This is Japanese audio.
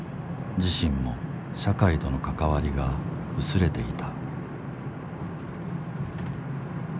自身も社会との関わりが薄れていた。